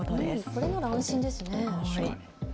これなら安心ですね。